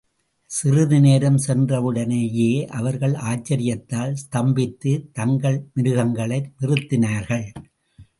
சிறிது தூரம் சென்றவுடனேயே அவர்கள் ஆச்சரியத்தால் ஸ்தம்பித்து தங்கள் மிருகங்களை நிறுத்தினார்கள்.